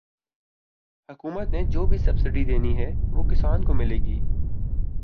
حکومت نے جو بھی سبسڈی دینی ہے وہ کسان کو ملے گی